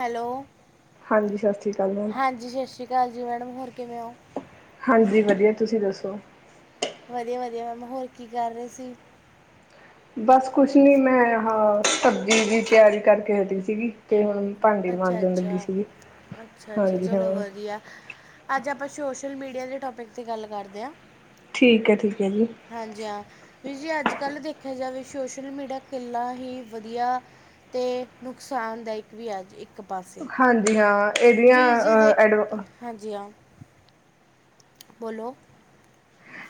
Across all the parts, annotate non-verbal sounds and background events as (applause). Hello, ਹਾਂਜੀ ਸਤਿ ਸ਼੍ਰੀ ਅਕਾਲ ਮੈਮ ਹਾਂਜੀ ਸਤਿ ਸ਼੍ਰੀ ਅਕਾਲ ਜੀ ਮੈਡਮ ਹੋਰ ਕਿਵੇਂ ਹੋ? ਹਾਂਜੀ, ਵਧੀਆ, ਤੁਸੀਂ ਦੱਸੋ? ਵਧੀਆ-ਵਧੀਆ, ਮੈਮ ਹੋਰ ਕੀ ਕਰ ਰਹੇ ਸੀ? ਬਸ ਕੁਛ ਨੀ ਮੈਂ ਹਾਂ ਸਬਜ਼ੀ ਦੀ ਤਿਆਰੀ ਕਰਕੇ ਹਟੀ ਸੀਗੀ। ਤੇ ਹੁਣ ਭਾਂਡੇ ਅੱਛਾ ਮਾਂਜਣ ਲੱਗੀ ਅੱਛਾ ਸੀ ਗੀ, ਹਾਂਜੀ ਹਾਂ। (inaudible) ਆ ਅੱਜ ਆਪਾਂ ਸ਼ੋਸ਼ਲ ਮੀਡੀਆ ਦੇ ਟੋਪਿਕ 'ਤੇ ਗੱਲ ਕਰਦੇ ਆ। ਠੀਕ ਹੈ, ਠੀਕ ਹੈ ਜੀ। ਹਾਂਜੀ ਹਾਂ, ਵੀਰ ਜੀ ਅੱਜ ਕੱਲ੍ਹ ਦੇਖਿਆ ਜਾਵੇ। ਸੋਸ਼ਲ ਮੀਡੀਆ ਕਿੰਨਾ ਹੀ ਵਧੀਆ ਤੇ ਨੁਕਸਾਨ ਦਾਇਕ ਵੀ ਆ ਇੱਕ ਪਾਸੇ ਹਾਂਜੀ, ਹਾਂ। ਇਹਦੀਆਂ ਵੀ ਜੇ ਦੇਖ। ਐਡਵ ਹਾਂਜੀ ਹਾਂ। ਬੋਲੋ।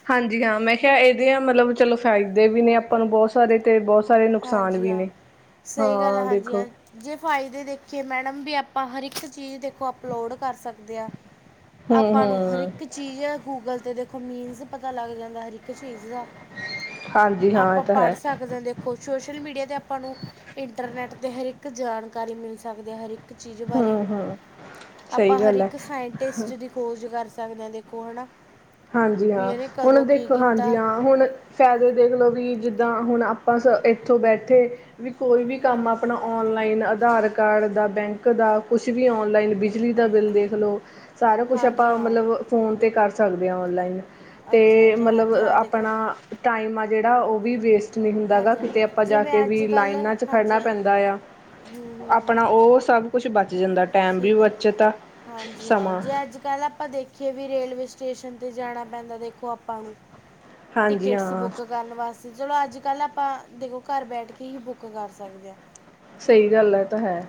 ਹਾਂਜੀ ਹਾਂ, ਮੈਂ ਕਿਹਾ ਇਹਦੇ ਆ ਮਤਲਬ ਚਲੋ ਫਾਇਦੇ ਵੀ ਨੇ ਆਪਾਂ ਨੂੰ ਬਹੁਤ। ਸਾਰੇ ਤੇ ਬਹੁਤ ਸਾਰੇ ਨੁਕਸਾਨ ਹਾਂਜੀ ਵੀ ਹਾਂ ਨੇ। ਸਹੀ ਗੱਲ ਆ ਹਾਂ, ਹਾਂਜੀ ਦੇਖੋ। ਹਾਂ ਜੇ ਫਾਇਦੇ ਦੇਖੀਏ ਮੈਡਮ ਵੀ ਆਪਾਂ ਹਰ ਇੱਕ ਚੀਜ਼ ਦੇਖੋ ਅਪਲੋਡ ਕਰ ਸਕਦੇ ਹਾ। ਹੂੰ ਆਪਾਂ ਨੂੰ ਹਰ ਹੂੰ ਇੱਕ ਚੀਜ਼ ਗੂਗਲ ਤੇ ਦੇਖੋ ਮੀਨਸ ਪਤਾ ਲੱਗ ਜਾਂਦਾ ਹਰ ਇੱਕ ਚੀਜ਼ ਦਾ। ਹਾਂਜੀ ਹਾਂ ਇਹ ਆਪਾਂ ਤਾਂ ਹੈ ਪੜ੍ਹ ਸਕਦੇ ਹਾ। ਦੇਖੋ ਖ ਸ਼ੋਸ਼ਲ ਮੀਡੀਆ 'ਤੇ ਆਪਾਂ ਨੂੰ ਇੰਟਰਨੈੱਟ 'ਤੇ ਹਰ ਇੱਕ ਜਾਣਕਾਰੀ ਮਿਲ ਸਕਦੀ ਹੈ ਹਰ ਇੱਕ। ਹਰ ਇਕ ਚੀਜ਼ ਬਾਰੇ। ਹੂੰ ਹੂੰ ਸਹੀ ਆਪਾਂ ਹਰ ਗੱਲ ਹੈ ਇੱਕ ਸਾਇਡ ਟੈਸਟ ਦੀ ਖੋਜ ਕਰ ਸਕਦੇ ਹਾਂ ਦੇਖੋ ਹੈਨਾ। ਹਾਂਜੀ ਹਾਂ। ਹੁਣ ਦੇਖੋ ਕੀਤਾ ਹਾਂਜੀ ਹਾਂ। ਹੁਣ ਫਾਇਦੇ ਦੇਖ ਲਓ ਵੀ ਜਿੱਦਾਂ ਹੁਣ ਆਪਾਂ ਸ ਇੱਥੋਂ ਬੈਠੇ ਵੀ ਕੋਈ ਵੀ ਕੰਮ ਆਪਣਾ ਔਨਲਾਈਨ ਆਧਾਰ ਕਾਰਡ ਦਾ, ਬੈਂਕ ਦਾ ਕੁਛ ਵੀ ਔਨਲਾਈਨ ਬ ਬਿਜਲੀ ਦਾ ਬਿੱਲ ਦੇਖ ਲਓ, ਸਾਰਾ ਕੁਛ ਹਾਂਜੀ ਆਪਾਂ ਹਾਂ ਮਤਲਬ ਫੋਨ ਤੇ ਕਰ ਸਕਦੇ ਹਾਂ ਔਨਲਾਈਨ। ਅੱਛਾ ਤੇ, ਅੱਛਾ ਮਤਲਬ ਹਾਂਜੀ ਹਾਂ ਦੇਖੋ ਆਪਣਾ, ਟਾਈਮ ਆ ਜਿਹੜਾ ਉਹ ਵੀ ਵੇਸਟ ਨਹੀਂ ਹੁੰਦਾ ਗਾ ਹਾਂਜੀ ਹਾਂ। ਕਿਤੇ ਆਪਾਂ ਜਾ ਜਿਵੇਂ ਕੇ ਵੀ ਲਾਈਨਾਂ ਚ' ਖੜ੍ਹਨਾ ਪੈਂਦਾ ਆ। ਹੂ-ਹੂ ਆਪਣਾ ਉਹ ਸਭ ਕੁਛ ਬਚ ਜਾਂਦਾ, ਟਾਈਮ ਵੀ ਬੱਚਤ ਆ ਸਮਾਂ। ਪਹਿਲਾ ਆਪਾਂ ਦੇਖੀਏ ਵੀ ਰੇਲਵੇ ਸਟੇਸ਼ਨ ਤੇ ਜਾਣਾ ਪੈਂਦਾ ਦੇਖੋ ਆਪਾਂ ਨੂੰ। ਹਾਂਜੀ ਟਿਕਟਸ ਹਾਂ ਬੁੱਕ ਕਰਨ ਵਾਸਤੇ। ਚਲੋ ਅੱਜ ਕੱਲ੍ਹ ਆਪਾਂ ਦੇਖੋ, ਘਰ ਬੈਠ ਕੇ ਹੀ ਬੁੱਕ ਕਰ ਸਕਦੇ ਹਾਂ। ਸਹੀ ਗੱਲ ਹੈ ਇਹ ਤਾਂ ਹੈ।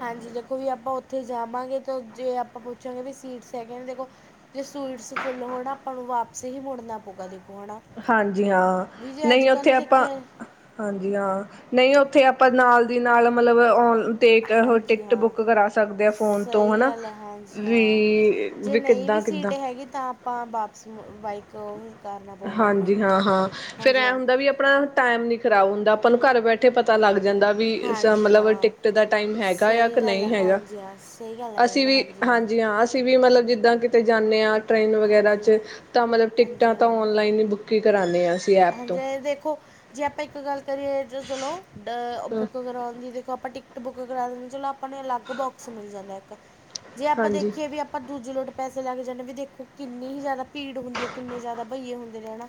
ਹਾਂਜੀ ਦੇਖੋ ਵੀ ਆਪਾਂ ਉੱਥੇ ਜਾਵਾਂਗੇ ਤੇ ਜੇ ਆਪਾਂ ਪੁੱਛਾਂਗੇ ਵੀ ਸੀਟਸ ਹੈਗੇ ਨੇ ਦੇਖੋ ਜੇ ਸੀਟਸ ਫੁੱਲ ਹੋਣ ਆਪਾਂ ਨੂੰ ਵਾਪਸ ਹੀ ਮੁੜਨਾ ਪਊਗਾ ਦੇਖੋ ਹਨਾ। ਹਾਂਜੀ ਹਾਂ। ਨਹੀਂ ਉੱਥੇ ਆਪਾਂ ਦੇਖਿਆ ਹਾਂਜੀ ਹਾਂ। ਨਹੀਂ ਉੱਥੇ ਆਪਾਂ ਨਾਲ ਦੀ ਨਾਲ ਮਤਲਬ ਆ ਅਤੇ ਉਹ ਹਾਂਜੀ ਟਿਕਟ ਹਾਂ ਬੁੱਕ ਕਰਾ ਸਕਦੇ ਆ ਫੋਨ ਤੋਂ ਸਹੀ ਹੈਨਾ। ਗੱਲ ਹੈ ਹਾਂਜੀ ਹਾਂ ਵੀ ਜੇ ਨਹੀਂ ਵੀ ਕਿੱਦਾਂ ਸੀਟ ਕਿੱਦਾਂ ਹੈਗੀ ਤਾਂ ਆਪਾਂ ਵਾਪਸ ਬਾਈਕ ਕਰਨਾ ਪਊਗਾ ਆਪਾਂ ਹਾਂਜੀ ਨੂੰ ਹਾਂ-ਹਾਂ। ਫੇਰ ਹਾਂਜੀ ਐ ਹਾਂ ਹੁੰਦਾ ਵੀ ਆਪਣਾ ਟਾਈਮ ਨੀ ਖ਼ਰਾਬ ਹੁੰਦਾ। ਆਪਾਂ ਨੂੰ ਘਰ ਬੈਠੇ ਪਤਾ ਲੱਗ ਜਾਂਦਾ। ਵੀ ਹਾਂਜੀ ਮਤਲਬ ਹਾਂ ਟਿਕਟ ਦਾ ਟਾਈਮ ਹੈਗਾ ਜਾਂ ਸਹੀ ਕਿ ਗੱਲ ਹੈ ਨਹੀਂ ਹੈਗਾ। ਹਾਂਜੀ ਹਾਂ ਸਹੀ ਗੱਲ ਹੈ ਅਸੀਂ ਮੈਡਮ ਵੀ ਹਾਂਜੀ ਹਾਂ ਅਂ ਅਸੀਂ ਵੀ ਮਤਲਬ ਜਿੱਦਾਂ ਕਿਤੇ ਜਾਂਦੇ ਹਾਂ ਟ੍ਰਰੇਨ ਵਗੈਰਾ ਹਾਂਜੀ ਚ' ਹਾਂ ਤਾਂ ਮਤਲਬ ਹਾਂਜੀ ਟਿਕਟਾਂ ਹਾਂ ਔਨਲਾਈ ਹੀ ਬੁੱਕੀ ਕਰਾਉਂਦੇ ਹਾਂ। ਐਪ ਤੋਂ ਹਾਂਜੀ ਦੇਖੋ ਜੇ ਆਪਾਂ ਇੱਕ ਗੱਲ ਕਰੀਏ ਤਾਂ ਚਲੋ, ਡ ਬੁੱਕ ਕਰਵਾਉਣ ਦੀ ਦੇਖੋ ਆਪਾਂ ਟਿਕ ਬੁੱਕ ਕਰਾ ਦਿੰਦੇ ਚਲੋ ਆਪਾਂ ਨੂੰ ਅਲੱਗ ਬੋਕਸ ਮਿਲ ਜਾਂਦਾ ਇੱਕ, ਜੇ ਆਪਾਂ ਹਾਂਜੀ ਦੇਖੀਏ ਵੀ ਆਪਾਂ ਦੂਜੀੇ ਲੋਟ ਪੈਸੇ ਲੈ ਕੇ ਜਾਂਦੇ ਵੀ ਦੇਖੋ ਕਿੰਨੀ ਹੀ ਜ਼ਿਆਦਾ ਭੀੜ ਹੁੰਦੀ ਹੈ ਕਿੰਨੇ ਜ਼ਿਆਦਾ ਬਈਏ ਹੁੰਦੇ ਨੇ ਹੈ ਨਾ।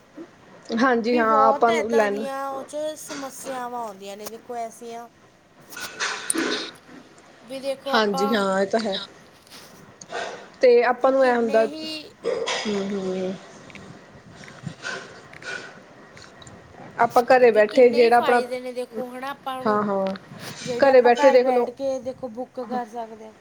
ਹਾਂਜੀ ਵੀ ਹਾਂ ਬਹੁਤ ਆਪਾਂ ਨੂੰ ਇੱਦਾਂ ਲੈਣ ਦੀਆਂ ਉਹ ਸਮੱਸਿਆਵਾਂ ਆਉਂਦੀਆਂ ਨੇ ਦੇਖੋ ਐਸੀਆਂ। ਵੀ ਦੇਖੋ, ਹਾਂਜੀ ਆਪਾਂ ਹਾਂ ਅਤੇ ਵੀ ਆਪਾਂ ਨੂੰ ਇਹ ਕਿੰਨੇ ਹੁੰਦਾ। ਹੀ ਹੂ- ਹੂ ਆਪਾਂ ਘਰੇ ਵੀ ਬੈਠੇ ਕਿੰਨੇ ਹੀ ਜਿਹੜਾ ਆਪਣਾ ਫਾਇਦੇ ਨੇ ਦੇਖੋ ਹਣਾ ਆਪਾਂ ਨੂੰ, ਹਾਂ ਹਾਂ ਜਿਹੜੇ ਘਰੇ ਆਪਾਂ ਬੈਠੇ ਘਰ ਦੇਖਲੋ ਬੈਠ ਕੇ ਕੇ ਦੇਖੋ ਬੁੱਕ ਕਰ ਸਕਦੇ ਹਾਂ।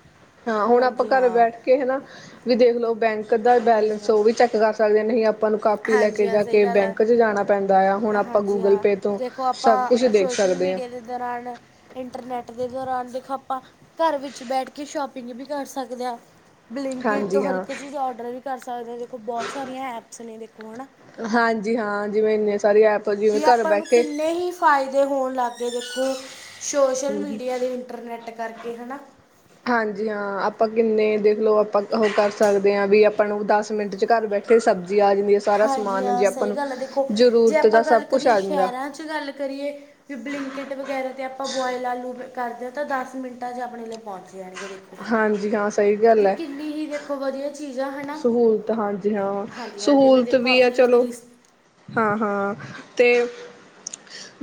ਹਾਂ। ਹੁਣ ਆਪਾਂ ਹਾਂਜੀ ਘਰ ਹਾਂ ਬੈਠ ਕੇ ਹਨਾ, ਵੀ ਦੇਖਲੋ ਬੈਂਕ ਦਾ ਹਾਂਜੀ ਬੈਲੈਂਸ ਹਾਂ ਉਹ ਵੀ ਚੈੱਕ ਕਰ ਸਕਦੇ ਨਹੀਂ ਆਪਾਂ। ਆਪਾਂ ਨੂੰ ਕਾਪੀ ਲੈ ਹਾਂਜੀ ਕੇ ਹਾਂ ਜਾ ਸਹੀ ਕੇ ਗੱਲ ਹੈ ਬੈਂਕ ਚ ਜਾਨਾ ਪੈਂਦਾ ਆ, ਹੁਨ ਆਪਾਂ ਹਾਂਜੀ ਗੂਗਲ ਹਾਂ ਪੇ ਤੋਂ ਦੇਖੋ ਸਭ ਕੁਛ ਆਪਾਂ ਦੇਖ ਸੋਸ਼ਲ ਸਕਦੇ ਹਾਂ ਮੀਡੀਆ ਦੇ ਦੌਰਾਨ ਇੰਟਰਨੈਟ ਦੇ ਦੌਰਾਨ ਦੇਖੋ, ਆਪਾਂ ਘਰ ਵਿੱਚ ਬੈਠ ਕੇ ਸ਼ੋਪਿੰਗ ਵੀ ਕਰ ਸਕਦੇ ਆਂ। ਬਲਿੰਕਕੇਟ ਤੋਂ ਹਾਂਜੀ ਹਰ ਹਾਂ ਇੱਕ ਚੀਜ਼ ਔਡਰ ਵੀ ਕਰ ਸਕਦੇ ਆਂ, ਦੇਖੋ ਬਹੁਤ ਸਾਰੀਆਂ ਐਪਸ ਨੇ ਦੇਖੋ ਹਨਾ। ਹਾਂਜੀ, ਹਾਂ ਜਿਵੇਂ ਇੰਨੇ ਸਾਰੇ ਐਪ, ਜਿਵੇਂ ਘਰ ਬੈਠੇ- ਫਾਏਦੇ ਹੋਨ ਲੱਗ ਗਏ, ਦੇਖੋ ਸੋਸ਼ਲ ਮੀਡੀਆ ਦੇ ਇੰਟਰਨੈਟ ਕਰਕੇ ਹਨਾ। ਹਾਂਜੀ, ਹਾਂ ਆਪਾਂ ਕਿੰਨੇ ਦੇਖ ਲਓ, ਆਪਾਂ ਓ ਕਰ ਸਕਦੇ ਆਂ ਵੀ, ਆਪਾਂ ਨੂੰ ਦਸ ਮਿੰਟ ਚ ਘਰ ਬੈਠੇ ਤੇ ਸਬਜ਼ੀ ਆ ਜਾਂਦੀ ਏ, ਸਾਰਾ ਹਾਂਜੀ ਸਮਾਨ ਹਾਂ ਜੇ ਆਪਾਂ ਸਹੀ ਨੂੰ ਗੱਲ ਹੈ ਦੇਖੋ ਜ਼ਰੂਰਤ ਦਾ ਸਭ ਕੁਛ ਆ ਜਾਂਦਾ। ਏਕ ਗੱਲ ਕਰੀਏ। ਫੇਰ ਬਲਿੰਕਟ ਵਗੈਰਾ ਤੇ ਆਪਾਂ ਬੋਏਲ ਆਲੂ ਕਰਦੇ ਆਂ, ਤਾਂ ਦਸ ਮਿੰਟਾਂ ਚ ਆਪਨੇ ਲਈ ਪਹੁੰਚ ਜਾਨਗੇ ਦੇਖੋ, ਹਾਂਜੀ ਹਾਂ ਸਹੀ ਵੀ ਗੱਲ ਹੈ ਕਿੰਨੀ ਹੀ ਦੇਖੋ ਦੇਖੋ, ਵਧੀਆ ਚੀਜ਼ ਆ ਹਨਾ। ਸਹੂਲਤ ਹਾਂਜੀ ਹਾਂ ਹਾਂਜੀ-ਹਾਂਜੀ ਵੇਂ ਸਹੂਲਤ ਦੇਖੋ ਵੀ ਹੈ ਆਪਨੇ ਲੈਦੇ ਚਲੋ ਜੀਸ ਹਾਂ, ਹਾਂ ਤੇ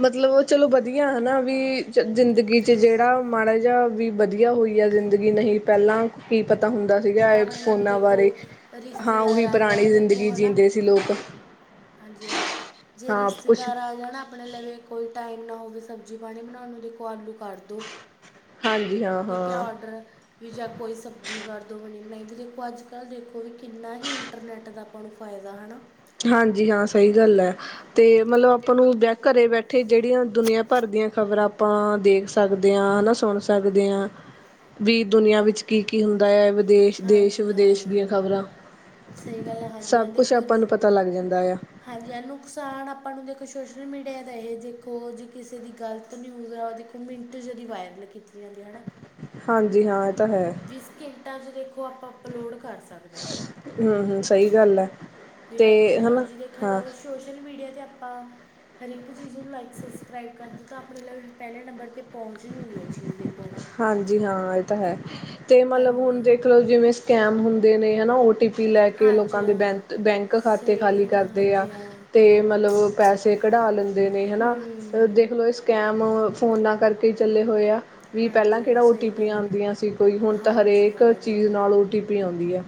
ਮਤਲਬ ਓ ਚਲੋ ਵਧੀਆ ਹਨਾ, ਵੀ ਜ਼ਿੰਦਗੀ ਚ ਜੇੜਾ ਮਾੜਾ ਜੇਆ ਵੀ ਵਧੀਆ ਹੋਈ ਆ, ਜ਼ਿੰਦਗੀ ਨਹੀਂ ਪਹਿਲਾਂ ਕੀ ਪਤਾ ਹੁੰਦਾ ਸੀਗਾ, ਏ ਆਪਣੇ ਲਵੇ ਫੋਨਾਂ ਦੇਖੋ ਬਾਰੇ ਰੇ-ਹਾਂ, ਰਿਸ਼ਤੇਦਾਰ ਉਹੀ ਆ ਪੁਰਾਨੀ ਜਾਣ ਦੇਖੋ ਜ਼ਿੰਦਗੀ ਹਨਾ ਜੀਂਦੇ ਸੀ ਲੋਕ ਹਾਂਜੀ, ਅ ਜੇ ਹਾਂ ਕੁਛ ਰਿਸ਼ਤੇਦਾਰ ਆ ਜਾਨਾ। ਆਪਨੇ ਲਵੇ ਕੋਈ ਟਾਈਮ ਨਾ ਹੋਵੇ, ਸਬਜ਼ੀ ਪਾਨੀ ਬਨਾਉਨ ਨੂੰ ਦੇਖੋ, ਆਲੂ ਕਰ ਦੋ। ਹਾਂਜੀ ਹਾਂ ਠੀਕ ਹੈ, ਹਾਂ ਔਡਰ ਵੀ ਜਾਂ ਕੋਈ ਸਬਜ਼ੀ ਕਰ ਦਉ, ਬਨੀ -ਬਨਾਈ ਵੀ ਦੇਖੋ, ਅੱਜ -ਕੱਲ੍ਹ ਦੇਖੋ ਵੀ ਕਿੰਨਾ ਹੀ ਇੰਟਰਨੈੱਟ ਦਾ ਆਪਾਂ ਨੂੰ। ਫਾਏ ਹਨਾ। ਹਾਂਜੀ, ਹਾਂ ਸਹੀ ਗੱਲ ਏ, ਤੇ ਮਤਲਬ ਆਪਾਂ ਨੂੰ ਘਰੇ ਬੈਠੇ ਤੇ ਜੇਹੜੀਆਂ ਦੁਨੀਆਂ ਭਰ ਦੀਆਂ ਖ਼ਬਰਾਂ ਆਪਾਂ ਦੇਖ ਸਕਦੇ ਆਂ, ਨਾ ਸੁਨ ਸਕਦੇ ਆਂ। ਵੀ ਦੁਨੀਆਂ ਵਿੱਚ ਕੀ-ਕੀ ਹੁੰਦਾ ਏ, ਵਿਦੇਸ਼, ਦੇਸ਼- ਹਾਂਜੀ ਹਾਂ ਵਿਦੇਸ਼ ਦੀਆਂ ਖ਼ਬਰਾਂ। ਸਹੀ ਗੱਲ ਏ, ਹਾਂਜੀ ਆਂਦੇ ਤੇ ਆਪਾਂ ਨੂੰ ਪਤਾ ਲੱਗ ਜਾਂਦਾ ਆ। ਹਾਂਜੀ ਆ ਨੁਕਸਾਨ ਆਪਾਂ ਨੂੰ ਦੇਖੋ, ਸੋਸ਼ਲ ਮੀਡੀਆ ਦਾ ਇਹ ਦੇਖੋ, ਜੇ ਕਿਸੇ ਦੀ ਗ਼ਲਤ ਨਿਊਜ਼ ਆ ਓ ਉ ਮਿੰਟ ਚ ਓਦੀ ਵਾਏਰਲ ਕੀਤੀ ਜਾਂਦੀ ਏ ਹਨਾ। ਹਾਂਜੀ, ਹਾਂ, ਏਅ ਤਾਂ ਹੈ। ਵੀਹ ਸਕਿੰਟਾਂ 'ਚ ਦੇਖੋ, ਆਪਾਂ ਅਪਲੋਡ ਕਰ ਸਕਦੇ ਆਂ। ਹੂੰ -ਹੂੰ, ਸਹੀ ਗੱਲ ਏ। ਵੀ ਹਾਂਜੀ ਹਾਂ, ਜੇ ਦੇਖੇਆ ਜਾਵੇ, ਸੋਸ਼ਲ ਮੀਡੀਆ ਤੇ ਆਪਾਂ ਹਰ ਇੱਕ ਚੀਜ਼ ਨੂੰ ਲਾਈਕ ਸਬਸਕ੍ਰਾਈਬ ਕਰਦੇ, ਤਾਂ ਆਪਨੇ ਲਈ ਪਹਿਲੇ ਨੰਬਰ 'ਤੇ ਪਹੁੰਚ ਜੂਗੀ ਓ ਜੀ। ਹਾਂਜੀ ਹਾਂ, ਇਹ ਤਾਂ ਹੈ, ਤੇ ਮਤਲਬ ਹਾਂਜੀ ਹੁਨ ਹਾਂ ਦੇਖ ਲਓ, ਜਿਵੇਂ ਸਕੈਮ ਹੁੰਦੇ ਨੇ ਹਨਾ, ਓ ਟੀ ਪੀ ਲੈ ਕੇ ਹਾਂਜੀ ਲੋਕਾਂ ਦੇ ਹਾਂ ਬੈਂਤ- ਬੈਂਕ ਖਾਤੇ ਸਹੀ ਖਾਲੀ ਗੱਲ ਹੈ ਕਰਦੇ ਆ। ਹਾਂਜੀ ਹਾਂ ਤੇ ਮਤਲਬ ਓ ਪੈਸੇ ਕਢਾ ਲੈਂਦੇ ਨੇ ਹਨਾ, ਹੂੰ ਦੇਖ ਲਓ ਇਸ ਕੈਮ ਫੋਨਾਂ ਕਰਕੇ ਹੀ ਚੱਲੇ ਹੋਏ ਆ। ਵੀ ਪਹਿਲਾਂ ਹਾਂਜੀ ਹਾਂ ਕੇਹੜਾ ਓ ਟੀ ਸਹੀ ਪੀ ਗੱਲ ਹੈ ਮੈਡਮ ਆਂਦੀਆਂ ਸੀ, ਕੋਈ ਹੁਨ ਤਾਂ ਹਾਂਜੀ ਹਰੇਕ ਹਾਂ ਚੀਜ਼ ਦੇਖੋ ਨਾਲ ਓ ਟੀ ਪੀ ਆਂਦੀ ਆ।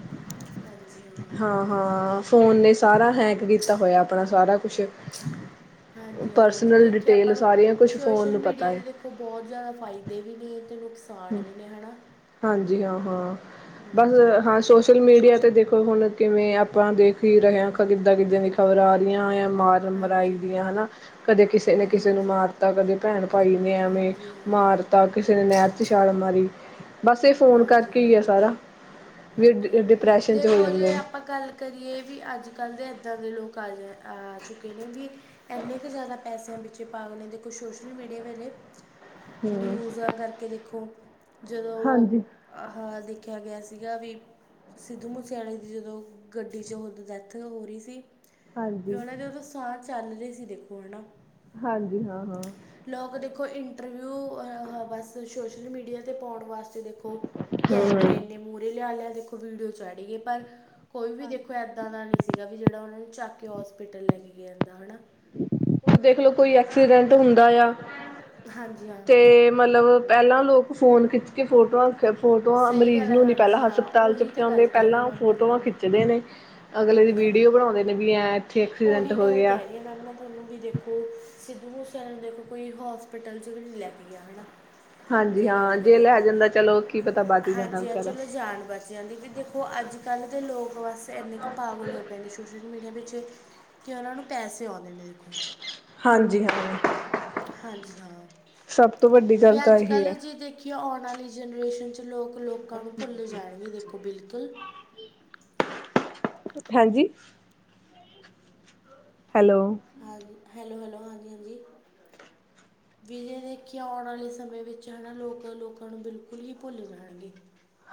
ਹਾਂਜੀ, ਹਾਂ। ਹਾਂ, ਫੋਨ ਨੇ ਸਾਰਾ ਹੈਂਕ ਕੀਤਾ ਹੋਏਆ, ਆਪਨਾ ਸਾਰਾ ਕੁਛ ਹਾਂਜੀ, ਹਾਂ ਜੇ ਪਰਸਨਲ ਦੇਖੀਏ, ਡਿਟੇਲ ਆਪਾਂ ਨੂੰ ਸਾਰੀਆਂ ਕੁਛ ਫੋਨ ਸੋਸ਼ਲ ਨੂੰ ਪਤਾ ਮੀਡੀਆ ਏ। ਦੀ ਦੇਖੋ। ਓ ਬੋਹਤ ਜੇਆਦਾ ਫ਼ਾਏਦੇ ਵੀ ਨੇ, ਤੇ ਨੁਕਸਾਨ ਵੀ ਨੇ ਹਨਾ। ਹਾਂਜੀ- ਹਾਂ, ਹਾਂ ਬਸ ਹਾਂ ਸੋਸ਼ਲ ਮੀਡੀਆ ਤੇ ਸੋਸ਼ਲ ਦੇਖੋ ਖੋ ਹੁਨ ਕਿਵੇਂ ਆਪਾਂ ਦੇਖ ਹੀ ਰਹੇ ਆਂ, ਕਿੱਦਾਂ- ਕਿੱਦਾਂ ਦੀ ਖ਼ਬਰ ਆ ਰਹੀਆਂ ਆਂ। ਮਾਰਮ- ਮਰਾਈ ਹਾਂਜੀ ਦੀਆਂ ਹਨਾ। ਕਦੇ ਕਿਸੇ ਨੇ ਕਿਸੇ ਨੂੰ ਮਾਰਤਾ ਕਦੇ ਭੈਣ-ਭਾਈ ਨੇ ਐਵੇਂ ਹਾਂਜੀ ਹਾਂ ਮਾਰਤਾ। ਕਿਸੇ ਨੇ ਨਹਿਰ ਚ ਛਾਲ ਮਾਰੀ, ਬਸ ਏ ਫੋਨ ਹਾਂਜੀ ਕਰਕੇ ਈ ਹਾਂ ਆ ਸਾਰਾ। ਵੀ ਹਾਂਜੀ ਹਾਂ, ਡਿਪਰੈਸ਼ਨ 'ਚ ਹੋ ਦੇਖੋ ਜਾਂਦੇ ਜੇ ਨੇ ਆ ਆਪਾਂ ਗੱਲ ਕਰੀਏ ਵੀ ਅੱਜ-ਕੱਲ ਦੇ ਐਦਾਂ ਦੇ ਲੋਕ ਆ ਜਾ ਆ ਚੁੱਕੇ ਨੇ ਵੀ ਐਨੇ ਕ ਜਾਦਾ ਪੈਸਿਆਂ ਪਿੱਛੇ ਪਾਗਲ ਨੇ ਦੇਖੋ ਸੋਸ਼ਲ-ਮੀਡੀਆ ਵੇਲੇ ਹਮ ਨਿਊਜ਼ਾਂ ਕਰਕੇ ਦੇਖੋ, ਜਦੋਂ ਹਾਂਜੀ। ਆਹਾ ਦੇਖਿਆ ਗਿਆ ਸ ਸੀਗਾ ਵੀ ਸਿੱਧੂ ਮੂਸੇਆਲੇ ਦੀ ਜਦੋਂ ਗੱਡੀ ਚ ਓਦ ਡੈਥ ਹੋ ਰੀ ਸੀ। ਵੀ ਹਾਂਜੀ ਓਨਾਂ ਦੇ ਓਦੋ ਸਾਹ ਚੱਲ ਰੇ ਸੀ ਦੇਖੋ ਹਨਾ। ਹਾਂਜੀ, ਹਾਂ-ਹਾਂ। ਲੋਕ ਦੇਖੋ ਇੰਟਰਵਿਊ ਅਹ ਬਸ ਸੋਸ਼ਲ-ਮੀਡੀਆ ਤੇ ਪਾਉਣ ਵਾਸਤੇ ਦੇ ਦੇਖੋ ਹਮ ਕੈਮਰੇ ਐਨੇ ਹੁਣ ਮੂਹਰੇ ਲਿਆ ਲਿਆ ਦੇਖੋ ਵੀਡੀਓ ਚਾੜੀ ਏ ਪਰ ਕੋਈ ਵੀ ਦੇਖੋ ਐ ਦਾਂ ਦਾ ਨੀ ਸੀਗਾ ਵੀ ਜੇੜਾ ਓਨਾ ਨੂੰ ਚੱਕ ਕੇ ਹੋਸਪਿਟਲ ਲੈ ਕੇ ਗਿਆ ਜਾਂਦਾ, ਹਨਾ। ਦੇਖਲੋ ਕੋਈ ਐਕਸੀਡੈਂਟ ਹੁੰਦਾ ਏ ਆ। ਹਾਂਜੀ ਹਾਂ। ਤੇ ਮਲਬ ਪਹਿਲਾਂ ਲੋਕ ਫੋਨ ਖਿੱਚ ਕੇ ਫੋਟੋਆਂ ਫੇਰ ਫੋਟੋਆਂ, ਸਹੀ ਮਰੀਜ਼ ਗੱਲ ਹੈ ਨੂੰ ਨੀ ਹਾਂਜੀ ਪਹਿਲਾਂ ਹਾਂ ਹਸਪਤਾਲ ਚ ਉਹੀ ਤਾਂ ਗੱਲ ਪਚਾਦੇ ਕਹਿ ਰਹੀ ਹਾਂ ਪਹਿਲਾਂ ਓ ਮੈਮ ਮੈਂ ਫੋਟੋਆਂ ਤੁਹਾਨੂੰ ਖਿੱਚਦੇ ਨੇ। ਅਗਲੇ ਦੀ ਵੀਡੀਓ ਬਣਾਉਦੇ ਨੇ ਵੀ ਐ ਓਹੀ ਗੱਲ ਕਹਿ ਰੀ ਆ ਮੈਮ ਮੈਂ ਓਨੂੰ ਵੀ ਦੇਖੋ ਸਿੱਧੂ ਮੂਸੇਵਾਲੇ ਨੂੰ ਦੇਖੋ ਕੋਈ ਹੋਸਪਿਟਲ ਚ ਵੀ ਨੀ ਲੈ ਕੇ ਗਿਆ ਹਨਾ। ਹਾਂਜੀ ਜੇ ਗੱਲ ਹਾਂ ਕਰੀਏ ਲੈ ਆਪਾਂ, ਜਾਂਦਾ ਚਲੋ ਕੀ ਪਤਾ ਬਚ ਹੀ ਜਾਂਦਾ ਹਾਂਜੀ ਹਾਂ ਵਿਚਾਰਾ ਚਲੋ ਜਾਨਵਰ ਬੱਚਿਆਂ ਦੀ ਵੀ ਦੇਖੋ ਅੱਜ-ਕੱਲ ਦੇ ਲੋਕ ਬਸ ਐਨੇ ਕ ਪਾਗਲ ਹੋਏ ਪਏ ਨੇ ਸੋਸ਼ਲ-ਮੀਡੀਆ ਪਿੱਛੇ ਕੇ ਓਨਾਂ ਨੂੰ ਪੈਸੇ ਆਉਂਦੇ ਨੇ ਦੇਖੋ। ਹਾਂਜੀ ਹਾਂ। ਹਾਂਜੀ ਹਾਂ, ਸਭ ਤੋਂ ਵੱਡੀ ਵੀ ਗੱਲ ਤਾਂ ਇਹੀ ਅੱਜ-ਕੱਲ ਹੈ ਜੇ ਦੇਖੀ ਕੇ ਆਉਣ ਆਲੀ ਜਨਰੇਸ਼ਨ ਚ ਲੋਕ ਲੋਕਾਂ ਨੂੰ ਭੁੱਲ ਜਾਣਗੇ ਦੇਖੋ ਬਿਲਕੁਲ। ਹਾਂਜੀ? ਹੈਲੋ? ਹਾਂਜੀ, ਹੈਲੋ-ਹੈਲੋ, ਹਾਂਜੀ-ਹਾਂਜੀ। ਵੀ ਜੇ ਦੇਖੀਏ ਆਉਣ ਆਲੇ ਸਮੇਂ ਵਿੱਚ ਹਨਾ ਲੋਕ ਲੋਕਾਂ ਨੂੰ ਬਿਲਕੁਲ ਹੀ ਭੁੱਲ ਜਾਣਗੇ।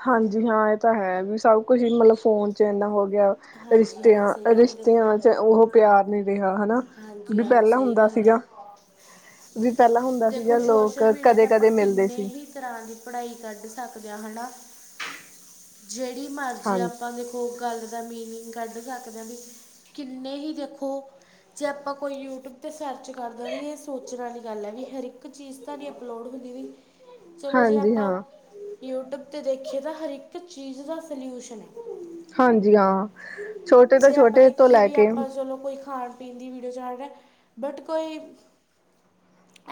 ਹਾਂਜੀ ਹਾਂ ਏਹ ਤਾਂ ਹੈ, ਵੀ ਸਭ ਕੁਛ ਹੀ ਮਲਬ ਫੋਨ ਚ ਐਨਾ ਹੋ ਗਿਆ। ਹਾਂਜੀ ਹਾਂ ਰਿਸ਼ਤਿਆਂ, ਸਹੀ ਗੱਲ ਦੇਖੋ ਰਿਸ਼ਤਿਆਂ ਚ ਉਹ ਪਿਆਰ ਨੀ ਰਿਹਾ ਹਨਾ, ਹਾਂਜੀ ਵੀ ਹਾਂ ਪਹਿਲਾਂ ਸਹੀ ਹੁੰਦਾ ਗੱਲ ਹੈ ਸੀਗਾ। ਵੀ ਪਹਿਲਾਂ ਹੁੰਦਾ ਦੇਖੋ ਸੀਗਾ ਲੋਕ ਸੋਸ਼ਲ-ਮੀਡੀਆ ਤੇ ਆਪਾਂ ਕਦੇ-ਕਦੇ ਮਿਲਦੇ ਕਿੰਨੇ ਸੀ। ਹੀ ਤਰਾਂ ਦੀ ਪੜਾਈ ਕੱਢ ਸਕਦੇ ਆ ਹਨਾ, ਜੇਹੜੀ ਮਰਜ਼ੀ ਆਪਾਂ ਹਾਂਜੀ ਦੇ ਕੋਈ ਗੱਲ ਦਾ ਮੀਨਿੰਗ ਕੱਢ ਸਕਦੇ ਆ ਵੀ ਕਿੰਨੇ ਹੀ ਦੇਖੋ ਜੇ ਆਪਾਂ ਕੋਈ ਯੂਟਿਊਬ ਤੇ ਸਰਚ ਕਰਦੇ ਆ ਵੀ ਏਹ ਸੋਚਣ ਆਲੀ ਗੱਲ ਐ ਵੀ ਹਰੀਕ ਚੀਜ਼ ਤਾ ਨੀ ਅਪਲੋਡ ਹੁੰਦੀ ਵੀ। ਚਲੋ ਜੇ ਹਾਂਜੀ ਆਪਾਂ ਹਾਂ, ਯੂਟਿਊਬ ਤੇ ਦੇਖੀਏ ਤਾਂ ਹਰੀਕ ਚੀਜ਼ ਦਾ ਸਲਿਊਸ਼ਨ ਐ। ਹਾਂਜੀ ਹਾਂ। ਛੋ ਜੇ ਆਪਾਂ ਦੇਖੀਏ ਵੀ ਆਪਾਂ ਚਲੋ ਕੋਈ ਖਾਣ-ਪੀਣ ਦੀ ਵੀਡੀਓ ਚਾੜ ਰੇਆ ਬਟ ਕੋਈ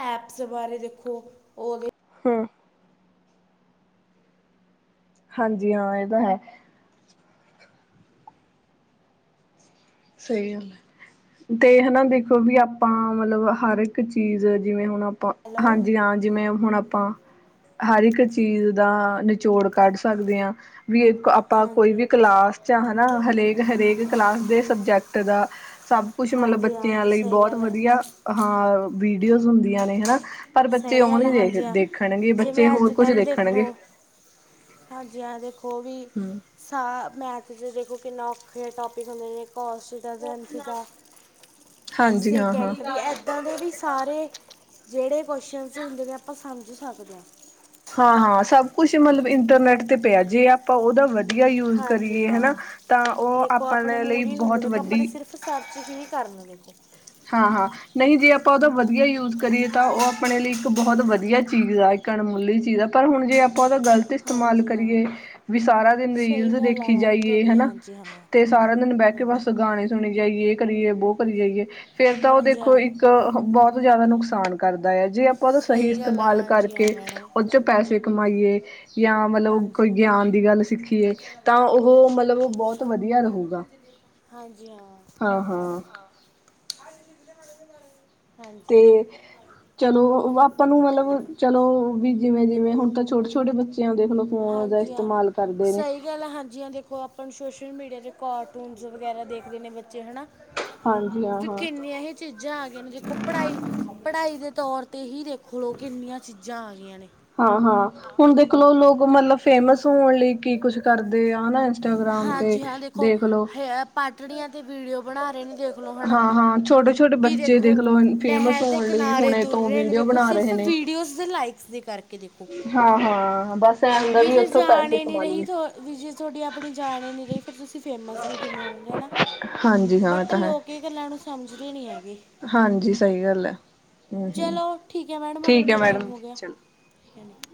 ਐਪਸ ਬਾਰੇ ਦੇਖੋ, ਓਦੇ ਹੂੰ। ਹਾਂਜੀ ਹਾਂ, ਏਹ ਤਾਂ ਹੈ। ਸਹੀ ਹੈ। ਤੇ ਹਨਾ ਦੇਖੋ ਵੀ ਆਪਾਂ ਮਤਲੱਬ ਹਰ ਇੱਕ ਚੀਜ਼ ਜਿਵੇਂ ਹੁਣ ਆਪ ਹੈਲੋ ਹਾਂਜੀ ਹਾਂ, ਜਿਵੇਂ ਹੁਣ ਆਪਾਂ ਹਰ ਇੱਕ ਚੀਜ਼ ਦਾ ਨਿਚੋੜ ਕੱਢ ਸਕਦੇ ਹਾਂ। ਵੀ ਆਪਾਂ ਕੋਈ ਹਾਂਜੀ ਵੀ ਕਲਾਸ ਚ ਹਨਾ ਹਰੇਕ- ਹਰੇਕ ਕਲਾਸ ਦੇ ਸਬ ਦਾ ਸਭ ਕੁਛ ਮਤਲਬ ਹਾਂਜੀ ਬੱਚਿਆਂ ਹਾਂ ਲਈ ਸਹੀ ਬਹੁਤ ਗੱਲ ਹੈ ਵਧੀਆ ਹਾਂ ਵੀਡੀਓਜ਼ ਹੁੰਦੀਆਂ ਨੇ ਹਨਾ। ਪਰ ਬੱਚੇ ਸਹੀ ਉਹ ਗੱਲ ਹੈ ਨਹੀਂ ਦੇਖ ਹਾਂਜੀ ਹਾਂ ਦੇਖਣਗੇ ਬੱਚੇ ਜਿਵੇਂ ਅੱਜ ਹੋਰ ਕੁੱਝ ਕੱਲ ਦੇਖਣਗੇ। ਦੇਖੋ ਹਾਂਜੀ ਹਾਂ ਵੇਖੋ ਵੀ ਹੂੰ। ਸਾ ਮੈਥ 'ਚ ਦੇਖੋ ਕਿੰਨਾ ਔਖੇ ਟੋਪਿਕ ਹੁੰਦੇ ਨੇ ਕੋਸਟ ਦਰਜ਼ਨ ਸੀਗਾ ਹਾਂਜੀ ਹਾਂ ਹਾਂ। ਸਕਿੰਟ ਵੀ ਇੱਦਾਂ ਦੇ ਵੀ ਸਾਰੇ ਜਿਹੜੇ ਕੁਸ਼ਚਨਸ ਹੁੰਦੇ ਨੇ ਆਪਾਂ ਸਮਂਝ ਸਕਦੇ ਹਾਂ। ਹਾਂ- ਹਾਂ ਸਭ ਕੁੱਛ ਮਤਲੱਬ ਇੰਟਰਨੈਟ ਤੇ ਪਿਆ ਜੇ। ਆਪਾਂ ਉਹਦਾ ਵਧੀਆ ਯੂਜ ਹਾਂਜੀ ਕਰੀਏ ਹਨਾ ਹਾਂ ਤਾਂ ਉਹ ਦੇਖੋ ਆਪਾਂ ਆਪਣੇ ਲਈ ਮੂਰੀ ਹੁੰਦੇ ਬਹੁਤ ਦੇਖੋ ਆਪਣੇ ਵੱਡੀ ਸਿਰਫ ਸਰਚ ਹੀ ਕਰਨਦੇ ਚ ਹਾਂ -ਹਾਂ ਨਹੀਂ ਜੇ ਆਪਾਂ ਉਹਦਾ ਵਧੀਆ ਯੂਜ ਕਰੀਏ ਤਾਂ ਉਹ ਆਪਣੇ ਲਈ ਇੱਕ ਬਹੁਤ ਵਧੀਆ ਚੀਜ਼ ਆ। ਅਣਮੁੱਲੀ ਚੀਜ਼ ਆ ਪਰ ਹੁਣ ਜੇ ਆਪਾਂ ਉਹਦਾ ਗਲਤ ਗ਼ਲਤ ਇਸਤੇਮਾਲ ਹਾਂਜੀ ਹਾਂ ਕਰੀਏ ਵੀ ਸਾਰਾ ਦਿਨ ਰੀਲਜ਼ ਸਹੀ ਗੱਲ ਆ ਦੇਖੀ ਮੈਡਮ ਜਾਈਏ ਤੁਹਾਡੀ ਹਨਾ। ਹਾਂਜੀ ਹਾਂ ਤੇ ਸਾਰਾ ਦਿਨ ਬਹਿ ਕੇ ਹਾਂਜੀ ਬਸ ਗਾਣੇ ਸੁਣੀ ਜਾਈਏ ਕਦੇ ਕਰੀਏ ਬੋ ਕਰੀ ਜਾਈਏ ਫਿਰ ਤਾਂ ਉਹ ਹਾਂਜੀ ਦੇਖੋ ਹਾਂ ਇੱਕ ਬਹੁਤ ਜ਼ਿਆਦਾ ਨੁਕਸਾਨ ਕਰਦਾ ਯ ਜੇ ਆਪਾਂ ਉਹਦਾ ਸਹੀ ਗੱਲ ਆ ਇਸਤੇਮਾਲ ਹਾਂਜੀ ਹਾਂ ਕਰਕੇ ਮੈਡਮ ਉਹਦੇ ਚੋਂ ਪੈਸੇ ਕਮਾਈਏ। ਜਾਂ ਮਤਲੱਬ ਕੋਈ ਹਾਂਜੀ ਗਿਆਨ ਦੀ ਗੱਲ ਸਿੱਖੀਏ ਤਾਂ ਉਹ ਮਤਲੱਬ ਬਹੁਤ ਵਧੀਆ ਰਹੂਗਾ। ਹਾਂਜੀ ਹਾਂ-ਹਾਂ ਹਾਂ ਲ ਤੇ ਚਲੋ ਆਪਾਂ ਨੂੰ ਮਤਲੱਬ ਚਲੋ ਵੀ ਜਿਵੇਂ ਜਿਵੇਂ ਹੁਣ ਤਾਂ ਛੋਟੇ- ਛੋਟੇ ਬੱਚੇ ਆ ਦੇਖਲੋ ਫੋਨ ਦਾ ਹਾਂਜੀ ਹਾਂ ਇਸਤੇਮਾਲ ਕਰਦੇ ਨੇ ਸਹੀ ਗੱਲ ਆ ਹਾਂਜੀ ਹਾਂ ਦੇਖੋ ਉਹ ਆਪਾਂ ਸੋਸ਼ਲ ਮੀਡੀਆ ਕਾਰਟੂਨਸ ਵਗੈਰਾ ਦੇਖਦੇ ਨੇ ਬੱਚੇ ਹੈ ਨਾ? ਹਾਂਜੀ ਹਾਂ ਵੀ ਹਾਂ ਕਿੰਨੀਆਂ ਹੀ ਚੀਜ਼ਾਂ ਆ ਗਈਆਂ ਨੇ ਦੇਖੋ, ਪੜ੍ਹਾਈ ਪੜ੍ਹਾਈ ਦੇ ਤੌਰ ਅਤੇ ਇ ਹੀ ਦੇਖ ਲਓ, ਕਿੰਨੀਆਂ ਚੀਜ਼ਾਂ ਆ ਗਈਆਂ ਨੇ। ਹਾਂ -ਹਾਂ ਹੁਣ ਦੇਖਲਓ ਲੋਕ, ਮਤਲਬ ਫੇਮਸ ਹੋਣ ਲਈ ਕੀ ਕੁਛ ਕਰਦੇ ਆ ਹਨਾ ਇੰਸਟਾਗ੍ਰਾਮ ਤੇ ਹਾਂਜੀ ਹਾਂ ਦੇਖੋ ਦੇਖਲੋ ਹਏ ਪਾਟੜੀਆਂ ਤੇ ਵੀਡੀਓ ਬਣਾ ਰਹੇ ਨੇ ਦੇਖ ਵਲੋ ਹਨਾ ਹਾਂ ਹਾਂ ਛੋਟੇ ਛੋਟੇ ਵੀ ਬੱਚੇ ਦੇਖੋ ਦੇਖਲੋ ਫੇਮਸ ਨਹਿਰ ਦੇ ਹੋਣ ਲਈ ਕਿਨਾਰੇ ਹੁਣੇ ਤੁਰ ਤੋਂ ਰਹੇ ਨੇ ਵੀਡੀਓ ਦੇਖੋ ਬਣਾ ਸਿਰਫ ਰਹੇ ਨੇ ਵੀਡੀਓਜ਼ ਲਾਈਕਸ ਦੇ ਕਰਕੇ ਹਾਂ ਹਾਂ ਬਸ ਐ ਹੁੰਦਾ ਵੀ ਜੇ ਉੱਥੋਂ ਜਾਣ ਪੈਸੇ ਨੇ ਨੀ ਕਮਾ ਰਹੀ ਲਈਏ ਵ ਵੀ ਜੇ ਤੁਹਾਡੀ ਆਪਣੀ ਜਾਨ ਹੀ ਨੀ ਰਹੀ, ਫਿਰ ਤੁਸੀਂ ਫੇਮਸ ਵੀ ਕਿਵੇਂ ਹੋਗੇ ਹਨਾ ਹਾਂਜੀ ਹਾਂ ਇਹ ਬਟ ਤਾਂ ਹੈ ਲੋਕ ਕਈ ਗੱਲਾਂ ਨੂੰ ਸਮਝਦੇ ਨਹੀਂ ਹੈਗੇ। ਹਾਂਜੀ ਸਹੀ ਗੱਲ ਹੈ ਹਮ ਹਮ ਚਲੋ ਠੀਕ ਹੈ, ਮੈਡਮ ਠੀਕ ਹੈ ਆਪਣਾ ਟਾਈਮ ਮੈਡਮ ਹੋ ਗਿਆ। ਚਲੋ ਹਾ ਨਹੀਂ।